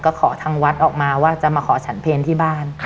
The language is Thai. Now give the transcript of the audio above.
ก็ขอทางวัดออกมาว่าจะมาขอฉันเพลที่บ้าน